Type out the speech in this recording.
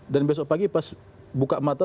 dan besok pagi pas buka mata